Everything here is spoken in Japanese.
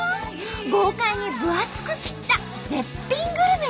豪快に分厚く切った絶品グルメです。